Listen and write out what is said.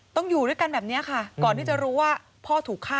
อยู่ด้วยกันแบบนี้ค่ะก่อนที่จะรู้ว่าพ่อถูกฆ่า